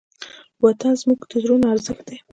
وطن زموږ د زړونو ارزښت دی.